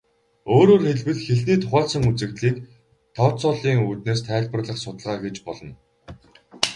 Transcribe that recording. Өөрөөр хэлбэл, хэлний тухайлсан үзэгдлийг тооцооллын үүднээс тайлбарлах судалгаа гэж болно.